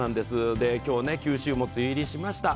今日、九州も梅雨入りしました。